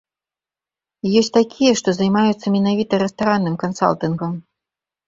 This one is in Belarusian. Ёсць такія, што займаюцца менавіта рэстаранным кансалтынгам.